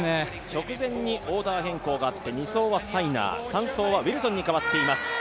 直前にオーダー変更があって、２走はスタイナー３走はウィルソンに変わっています